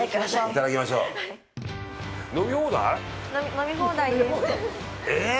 飲み放題ですえぇ？